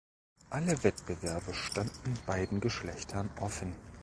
Alle Wettbewerbe standen beiden Geschlechtern offen.